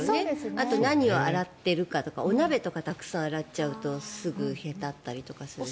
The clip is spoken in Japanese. あと、何を洗ってるかとかお鍋とかをたくさん洗っちゃうとすぐにへたったりするし。